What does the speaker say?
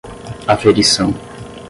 aferição